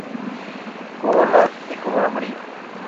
Corola de color amarillo.